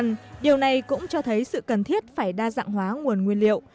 nhưng điều này cũng cho thấy sự cần thiết phải đa dạng hóa nguồn nguyên liệu